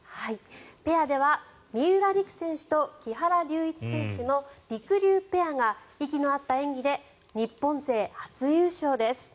ペアでは三浦璃来選手と木原龍一選手のりくりゅうペアが息の合った演技で日本勢初優勝です。